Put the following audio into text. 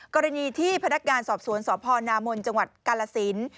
กรณีที่พนักงานสอบสวนสพนามนจังหวัดกาลสิน